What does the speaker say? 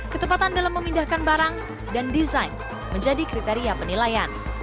ketepatan dalam memindahkan barang dan desain menjadi kriteria penilaian